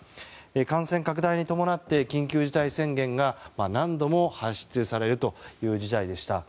感染拡大に伴って緊急事態宣言が何度も発出されるという事態でした。